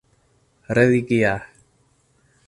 religia